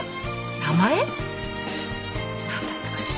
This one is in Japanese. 何だったかしら。